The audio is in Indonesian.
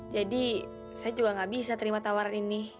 jadi saya juga gak bisa terima tawaran ini